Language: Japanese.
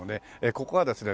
ここはですね